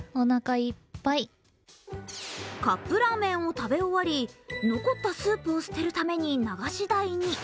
カップラーメンを食べ終わり残ったスープを捨てるために流し台に。